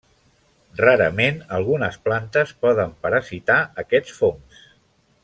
Rarament algunes plantes poden parasitar aquests fongs.